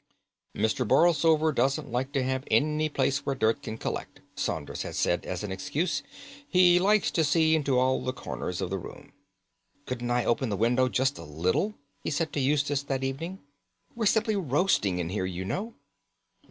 "Mr. Borlsover doesn't like to have any place where dirt can collect," Saunders had said as an excuse. "He likes to see into all the corners of the room." "Couldn't I open the window just a little?" he said to Eustace that evening. "We're simply roasting in here, you know."